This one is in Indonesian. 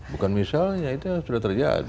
bukan misalnya itu sudah terjadi